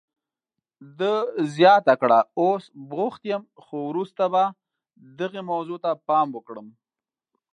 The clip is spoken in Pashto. ده زیاته کړه، اوس بوخت یم، خو وروسته به دغې موضوع ته پام وکړم.